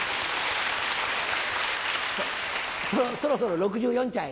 そろそろ６４ちゃい。